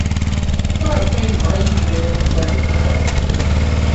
Maɣef ay yebɣa Yidir ad imahel da?